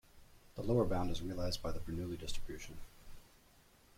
The lower bound is realized by the Bernoulli distribution.